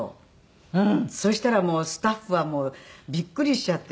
そしたらもうスタッフはびっくりしちゃって。